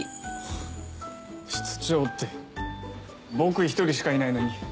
室長って僕１人しかいないのに。